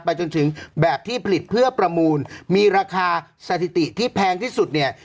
จนถึงแบบที่ผลิตเพื่อประมูลมีราคาสถิติที่แพงที่สุดเนี่ย